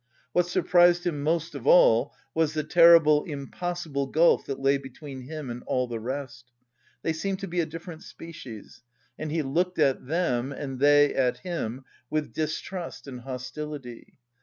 What surprised him most of all was the terrible impossible gulf that lay between him and all the rest. They seemed to be a different species, and he looked at them and they at him with distrust and hostility.